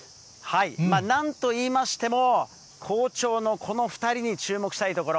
なんと言いましても、好調のこの２人に注目したいところ。